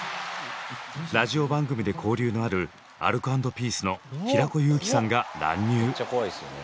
ラジオ番組で交流のあるアルコ＆ピースの平子祐希さんが乱入。